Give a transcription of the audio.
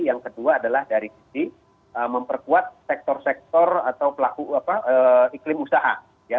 yang kedua adalah dari sisi memperkuat sektor sektor atau pelaku iklim usaha